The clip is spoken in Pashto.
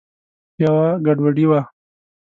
یوه ګډوډي وه.